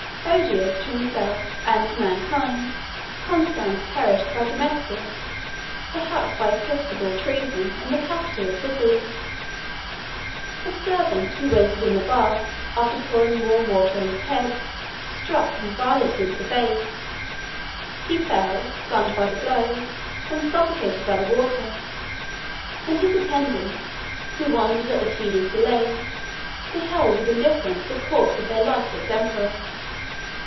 Odious to himself and to mankind, Constans perished by domestic, perhaps by episcopal, treason, in the capital of Sicily. A servant who waited in the bath, after pouring warm water on his head, struck him violently with the vase. He fell, stunned by the blow, and suffocated by the water; and his attendants, who wondered at the tedious delay, beheld with indifference the corpse of their lifeless emperor.